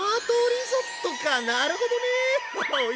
なるほどね！